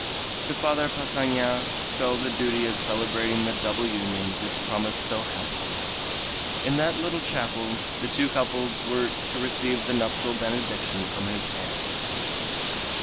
To Father Passanha fell the duty of celebrating the double union which promised so happily. In that little chapel the two couples were to receive the nuptial benediction from his hands.